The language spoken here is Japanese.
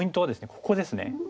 ここですね。